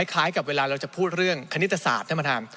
คล้ายกับเวลาเราจะพูดเรื่องคณิตศาสตร์ท่านประธาน